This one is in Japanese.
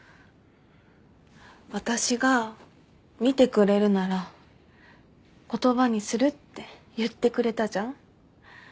私が見てくれるなら言葉にするって言ってくれたじゃん。